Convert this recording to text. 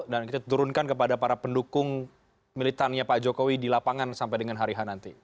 dan kita turunkan kepada para pendukung militannya pak jokowi di lapangan sampai dengan hari hari nanti